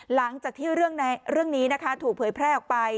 หลังจากที่เรื่องนี้นะคะถูกเผยแพร่ออกไป